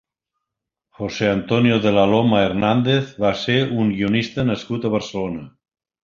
José Antonio de la Loma Hernández va ser un guionista nascut a Barcelona.